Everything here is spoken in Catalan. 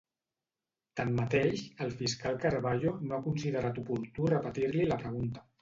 Tanmateix, el fiscal Carballo no ha considerat oportú repetir-li la pregunta.